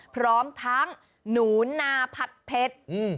พร้อมทั้งหนูนาผัดเผ็ด